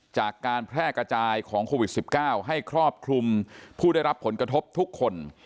จากการแพร่กระจายของโควิด๑๙ให้ครอบคลุมผู้ได้รับผลกระทบทุกคน